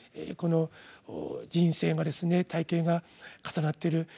この人生が体験が重なってる。